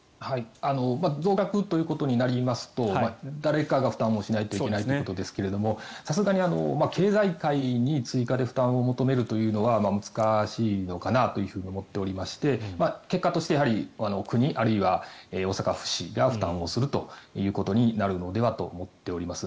増額ということになりますと誰かが負担をしないといけないということになりますがさすがに経済界に追加で負担を求めるというのは難しいのかなというふうに思っておりまして結果として国、あるいは大阪府・市が負担をするということになるのではと思っております。